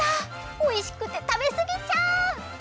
おいしくてたべすぎちゃう！